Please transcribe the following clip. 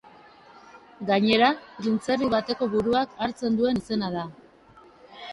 Gainera, printzerri bateko buruak hartzen duen izena da.